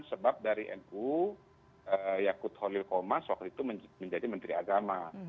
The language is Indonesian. sebab dari nu yakut holil komas waktu itu menjadi menteri agama